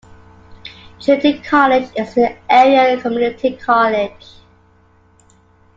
Triton College is the area community college.